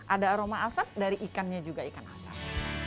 ada aroma asam dari ikannya juga ikan asam